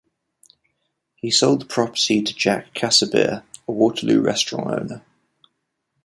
He sold the property to Jack Casebeer, a Waterloo restaurant owner.